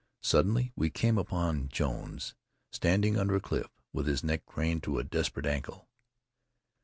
Suddenly we came upon Jones, standing under a cliff, with his neck craned to a desperate angle.